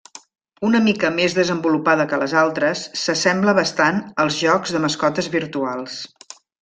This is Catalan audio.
Una mica més desenvolupada que les altres, s'assembla bastant als jocs de mascotes virtuals.